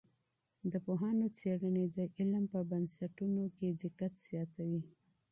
د پوهانو څېړنې د علم په بنسټونو کي دقت زیاتوي.